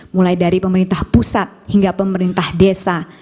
mulai dari pemerintah pusat hingga pemerintah desa